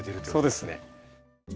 そうです。